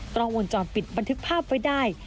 กล้องวงจรปิดบันทึกภาพไว้ได้